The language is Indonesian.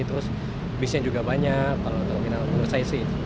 terus bisnya juga banyak kalau menurut saya sih